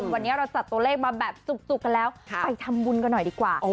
วันนี้เราจัดตัวเลขมาแบบจุกกันแล้วไปทำบุญกันหน่อยดีกว่า